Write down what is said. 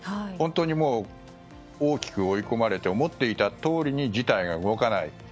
本当に大きく追い込まれて思っていたとおりに事態が動かない。